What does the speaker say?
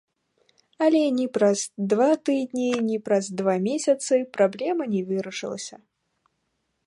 Але ні праз два тыдні, ні праз два месяцы праблема не вырашылася.